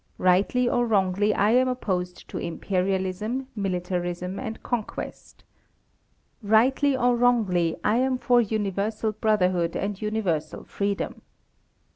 Rightly or wrongly, I am opposed to Imperialism, Militarism, and Conquest. Rightly or wrongly, I am for universal brotherhood and universal freedom.